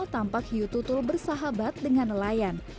tampak hiu tutul bersahabat dengan nelayan